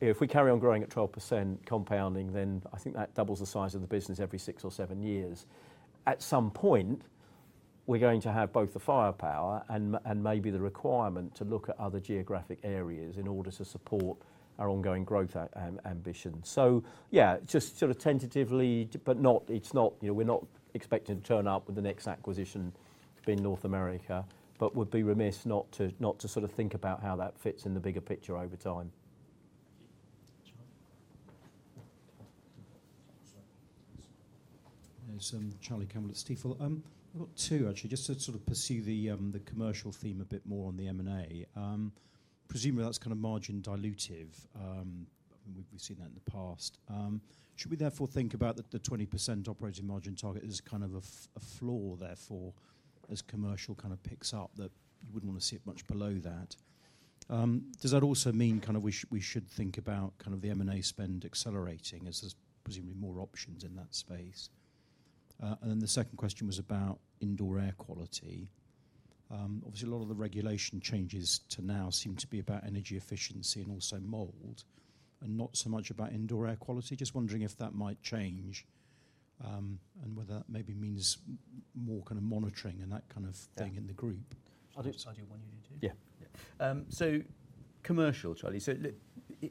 if we carry on growing at 12% compounding, then I think that doubles the size of the business every six or seven years. At some point, we're going to have both the firepower and maybe the requirement to look at other geographic areas in order to support our ongoing growth ambition. Yeah, just sort of tentatively, but we're not expecting to turn up with the next acquisition to be in North America, but we'd be remiss not to sort of think about how that fits in the bigger picture over time. Thank you. Charlie Campbell, Stifel. I've got two, actually, just to sort of pursue the commercial theme a bit more on the M&A. Presumably, that's kind of margin dilutive. We've seen that in the past. Should we therefore think about the 20% operating margin target as kind of a floor therefore as commercial kind of picks up that you wouldn't want to see it much below that? Does that also mean kind of we should think about kind of the M&A spend accelerating as there's presumably more options in that space? The second question was about indoor air quality. Obviously, a lot of the regulation changes to now seem to be about energy efficiency and also mold and not so much about indoor air quality. Just wondering if that might change and whether that maybe means more kind of monitoring and that kind of thing in the group. I'll do one you do. Yeah. Commercial, Charlie.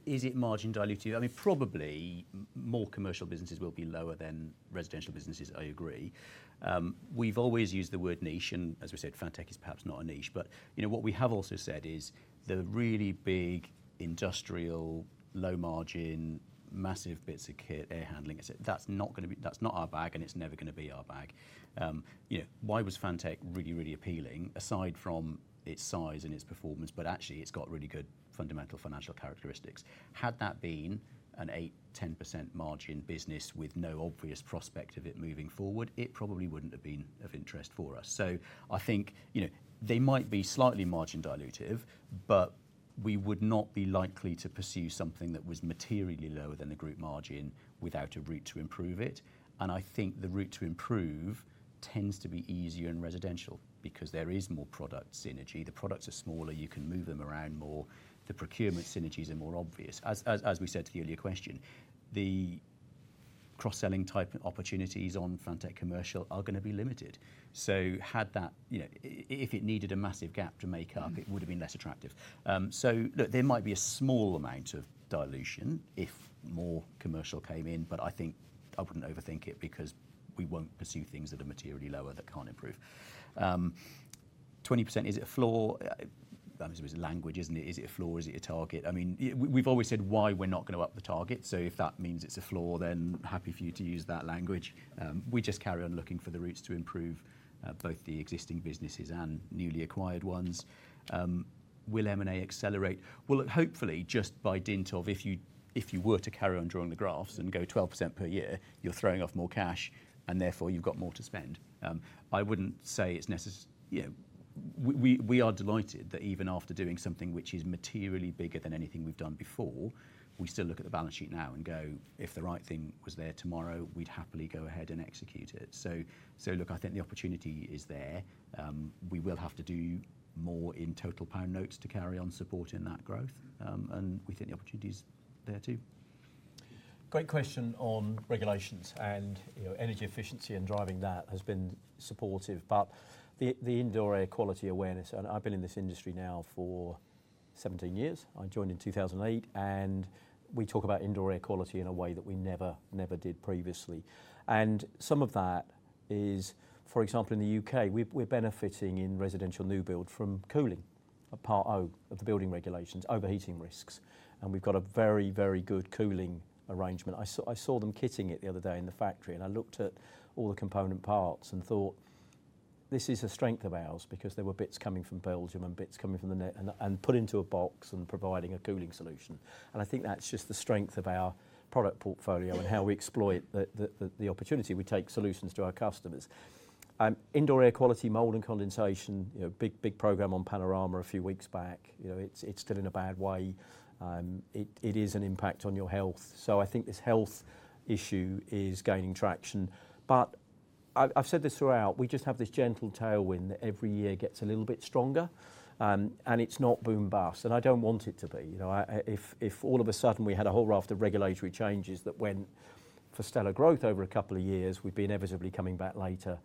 Is it margin dilutive? I mean, probably more commercial businesses will be lower than residential businesses, I agree. We've always used the word niche, and as we said, Fantech is perhaps not a niche. What we have also said is the really big industrial, low margin, massive bits of kit air handling, that's not going to be, that's not our bag, and it's never going to be our bag. Why was Fantech really, really appealing aside from its size and its performance? Actually, it's got really good fundamental financial characteristics. Had that been an 8%-10% margin business with no obvious prospect of it moving forward, it probably wouldn't have been of interest for us. I think they might be slightly margin dilutive, but we would not be likely to pursue something that was materially lower than the group margin without a route to improve it. I think the route to improve tends to be easier in residential because there is more product synergy. The products are smaller. You can move them around more. The procurement synergies are more obvious. As we said to the earlier question, the cross-selling type opportunities on Fantech commercial are going to be limited. If it needed a massive gap to make up, it would have been less attractive. There might be a small amount of dilution if more commercial came in, but I think I would not overthink it because we will not pursue things that are materially lower that cannot improve. 20%, is it a floor? That was language, is it? Is it a floor? Is it a target? I mean, we've always said why we're not going to up the target. If that means it's a floor, then happy for you to use that language. We just carry on looking for the routes to improve both the existing businesses and newly acquired ones. Will M&A accelerate? Hopefully, just by dint of if you were to carry on drawing the graphs and go 12% per year, you're throwing off more cash, and therefore you've got more to spend. I wouldn't say it's necessary. We are delighted that even after doing something which is materially bigger than anything we've done before, we still look at the balance sheet now and go, "If the right thing was there tomorrow, we'd happily go ahead and execute it." I think the opportunity is there. We will have to do more in total pound notes to carry on supporting that growth. We think the opportunity is there too. Great question on regulations and energy efficiency and driving that has been supportive. The indoor air quality awareness, and I've been in this industry now for 17 years. I joined in 2008, and we talk about indoor air quality in a way that we never, never did previously. Some of that is, for example, in the U.K., we're benefiting in residential new build from cooling, Part O of the building regulations, overheating risks. We've got a very, very good cooling arrangement. I saw them kitting it the other day in the factory, and I looked at all the component parts and thought, "This is a strength of ours because there were bits coming from Belgium and bits coming from the net and put into a box and providing a cooling solution." I think that's just the strength of our product portfolio and how we exploit the opportunity. We take solutions to our customers. Indoor air quality, mold and condensation, big program on Panorama a few weeks back. It's still in a bad way. It is an impact on your health. I think this health issue is gaining traction. I've said this throughout, we just have this gentle tailwind that every year gets a little bit stronger, and it's not boom bust. I don't want it to be. If all of a sudden we had a whole raft of regulatory changes that went for stellar growth over a couple of years, we'd be inevitably coming back later.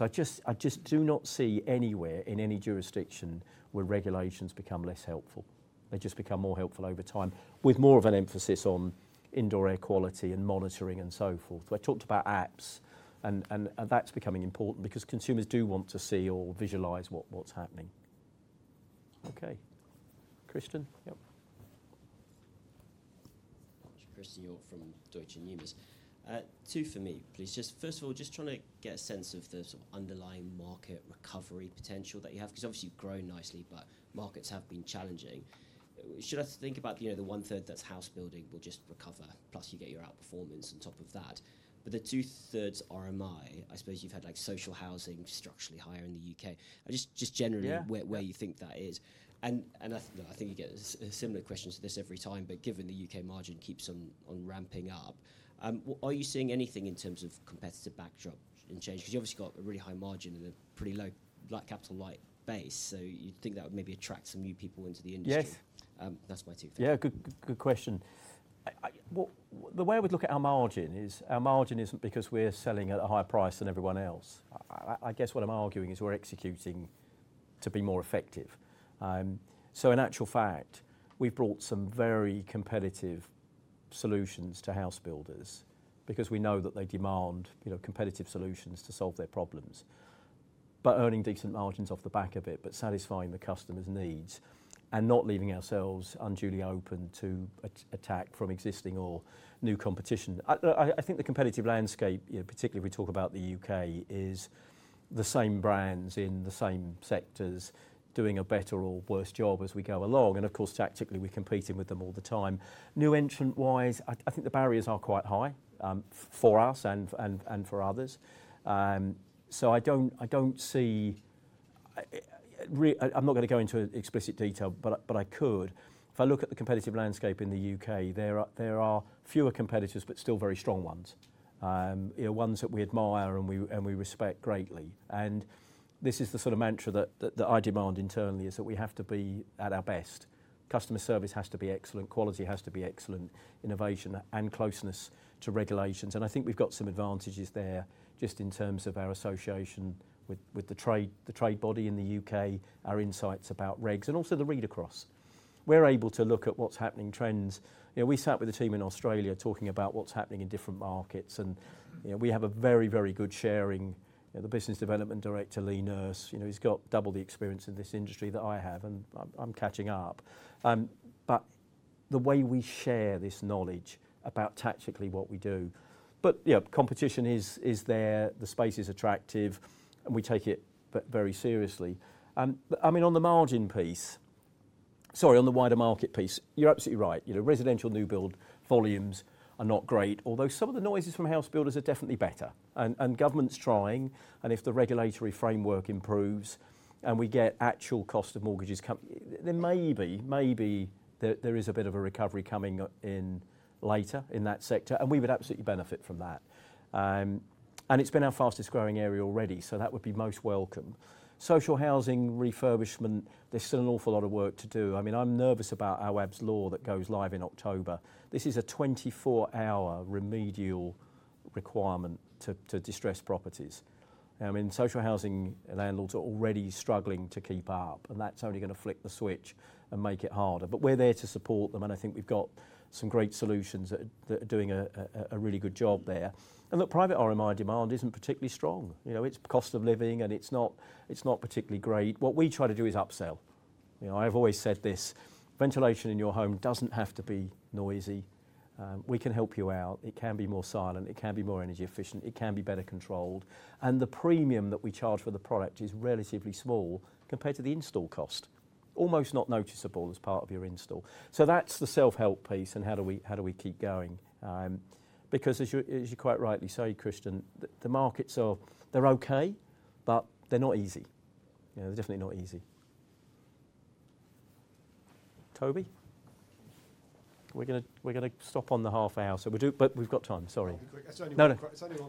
I just do not see anywhere in any jurisdiction where regulations become less helpful. They just become more helpful over time with more of an emphasis on indoor air quality and monitoring and so forth. I talked about apps, and that's becoming important because consumers do want to see or visualize what's happening. Okay. Christen, yep. I'm Christen Hjorth from Deutsche Bank. Two for me, please. Just first of all, just trying to get a sense of the underlying market recovery potential that you have because obviously you've grown nicely, but markets have been challenging. Should I think about the one-third that's house building will just recover, plus you get your outperformance on top of that? The two-thirds RMI, I suppose you've had social housing structurally higher in the U.K. Just generally, where you think that is. I think you get similar questions to this every time, but given the U.K. margin keeps on ramping up, are you seeing anything in terms of competitive backdrop and change? Because you've obviously got a really high margin and a pretty low capital light base. You'd think that would maybe attract some new people into the industry. That's my two-factor. Yeah, good question. The way I would look at our margin is our margin isn't because we're selling at a higher price than everyone else. I guess what I'm arguing is we're executing to be more effective. In actual fact, we've brought some very competitive solutions to house builders because we know that they demand competitive solutions to solve their problems, but earning decent margins off the back of it, satisfying the customer's needs and not leaving ourselves unduly open to attack from existing or new competition. I think the competitive landscape, particularly if we talk about the U.K., is the same brands in the same sectors doing a better or worse job as we go along. Of course, tactically, we're competing with them all the time. New entrant-wise, I think the barriers are quite high for us and for others. I don't see—I'm not going to go into explicit detail, but I could. If I look at the competitive landscape in the U.K., there are fewer competitors, but still very strong ones. Ones that we admire and we respect greatly. This is the sort of mantra that I demand internally: we have to be at our best. Customer service has to be excellent. Quality has to be excellent. Innovation and closeness to regulations. I think we've got some advantages there just in terms of our association with the trade body in the U.K., our insights about regs, and also the read across. We're able to look at what's happening, trends. We sat with a team in Australia talking about what's happening in different markets, and we have a very, very good sharing. The Business Development Director, Lee Nurse, he's got double the experience in this industry that I have, and I'm catching up. The way we share this knowledge about tactically what we do. Competition is there. The space is attractive, and we take it very seriously. I mean, on the margin piece, sorry, on the wider market piece, you're absolutely right. Residential new build volumes are not great, although some of the noises from house builders are definitely better. Government's trying, and if the regulatory framework improves and we get actual cost of mortgages, then maybe there is a bit of a recovery coming in later in that sector, and we would absolutely benefit from that. It's been our fastest growing area already, so that would be most welcome. Social housing refurbishment, there's still an awful lot of work to do. I mean, I'm nervous about Awaab's Law that goes live in October. This is a 24-hour remedial requirement to distress properties. Social housing landlords are already struggling to keep up, and that's only going to flick the switch and make it harder. We are there to support them, and I think we've got some great solutions that are doing a really good job there. Private RMI demand isn't particularly strong. It's cost of living, and it's not particularly great. What we try to do is upsell. I've always said this. Ventilation in your home doesn't have to be noisy. We can help you out. It can be more silent. It can be more energy efficient. It can be better controlled. The premium that we charge for the product is relatively small compared to the install cost, almost not noticeable as part of your install. That is the self-help piece and how do we keep going? Because as you quite rightly say, Christen, the markets, they're okay, but they're not easy. They're definitely not easy. Toby? We are going to stop on the half hour, but we've got time. Sorry. It's only one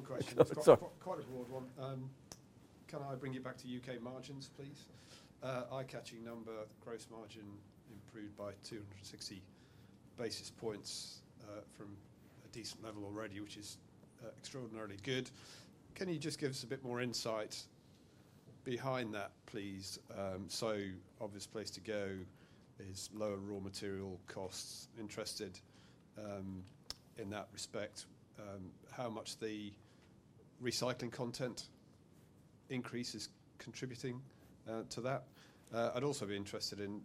question. It's quite a broad one. Can I bring you back to U.K. margins, please? Eye-catching number, gross margin improved by 260 basis points from a decent level already, which is extraordinarily good. Can you just give us a bit more insight behind that, please? Obvious place to go is lower raw material costs. Interested in that respect. How much the recycling content increase is contributing to that? I'd also be interested in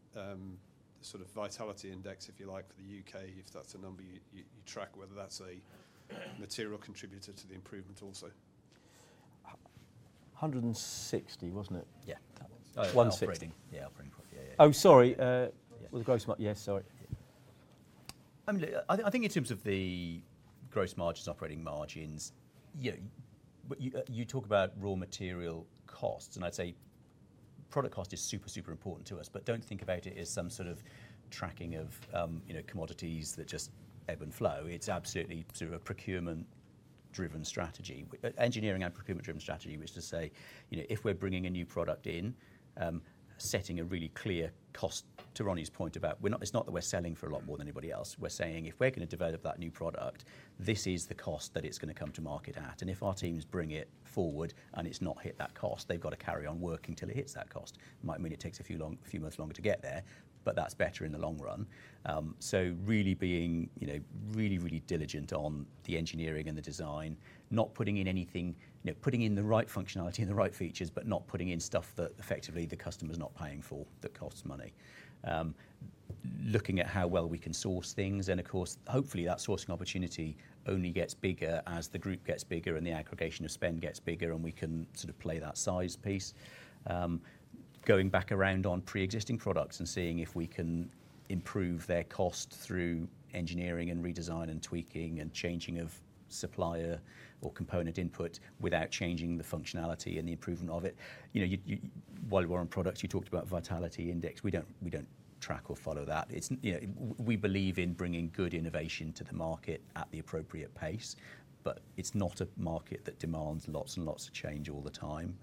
the sort of Vitality Index, if you like, for the U.K., if that's a number you track, whether that's a material contributor to the improvement also. 160, wasn't it? Yeah. 160. Yeah. Oh, sorry. Was the gross margin? Yes, sorry. I think in terms of the gross margins, operating margins, you talk about raw material costs, and I'd say product cost is super, super important to us, but do not think about it as some sort of tracking of commodities that just ebb and flow. It's absolutely sort of a procurement-driven strategy, engineering and procurement-driven strategy, which is to say if we're bringing a new product in, setting a really clear cost. To Ronnie's point about, it's not that we're selling for a lot more than anybody else. We're saying if we're going to develop that new product, this is the cost that it's going to come to market at. If our teams bring it forward and it's not hit that cost, they've got to carry on working till it hits that cost. It might mean it takes a few months longer to get there, but that's better in the long run. Really being really, really diligent on the engineering and the design, not putting in anything, putting in the right functionality and the right features, but not putting in stuff that effectively the customer is not paying for that costs money. Looking at how well we can source things. Of course, hopefully that sourcing opportunity only gets bigger as the group gets bigger and the aggregation of spend gets bigger and we can sort of play that size piece. Going back around on pre-existing products and seeing if we can improve their cost through engineering and redesign and tweaking and changing of supplier or component input without changing the functionality and the improvement of it. While we're on products, you talked about Vitality Index. We don't track or follow that. We believe in bringing good innovation to the market at the appropriate pace, but it's not a market that demands lots and lots of change all the time.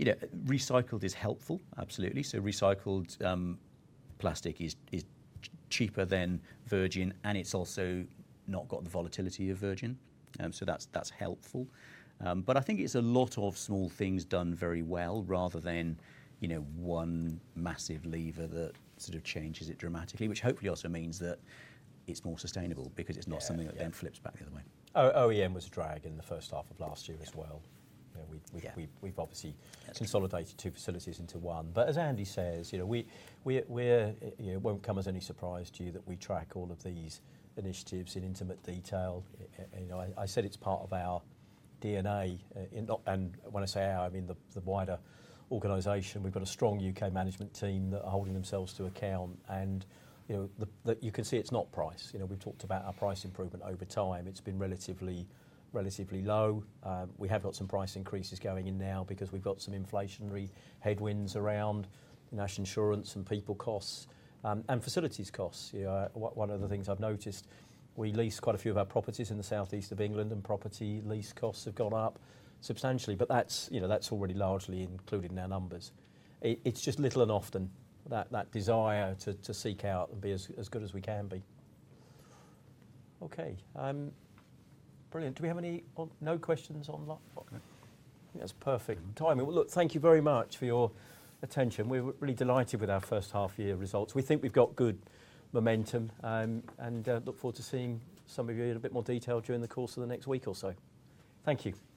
Recycled is helpful, absolutely. Recycled plastic is cheaper than virgin, and it's also not got the volatility of virgin. That is helpful. I think it's a lot of small things done very well rather than one massive lever that sort of changes it dramatically, which hopefully also means that it's more sustainable because it's not something that then flips back the other way. OEM was a drag in the first half of last year as well. We've obviously consolidated two facilities into one. As Andy says, it won't come as any surprise to you that we track all of these initiatives in intimate detail. I said it's part of our DNA. When I say our, I mean the wider organization. We've got a strong U.K. management team that are holding themselves to account. You can see it's not price. We've talked about our price improvement over time. It's been relatively low. We have got some price increases going in now because we've got some inflationary headwinds around National Insurance and people costs and facilities costs. One of the things I've noticed, we lease quite a few of our properties in the South East of England, and property lease costs have gone up substantially, but that's already largely included in our numbers. It's just little and often that desire to seek out and be as good as we can be. Okay. Brilliant. Do we have any no questions online? That's perfect timing. Thank you very much for your attention. We're really delighted with our first half-year results. We think we've got good momentum and look forward to seeing some of you in a bit more detail during the course of the next week or so. Thank you.